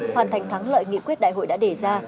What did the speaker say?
hoàn thành thắng lợi nghị quyết đại hội đã đề ra